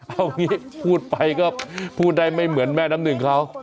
เอางี้พูดไปก็พูดได้ไม่เหมือนแม่น้ำหนึ่งเขา